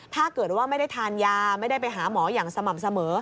ถ้าเกิดว่าไม่ได้ทานยาไม่ได้ไปหาหมออย่างสม่ำเสมอ